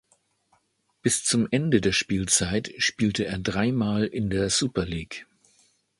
Bis zum Ende der Spielzeit spielte er dreimal in der Super League.